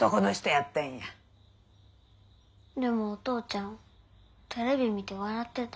でもお父ちゃんテレビ見て笑ってた。